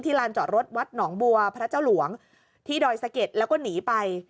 ลานจอดรถวัดหนองบัวพระเจ้าหลวงที่ดอยสะเก็ดแล้วก็หนีไป